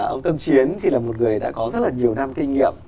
ông tân chiến thì là một người đã có rất là nhiều năm kinh nghiệm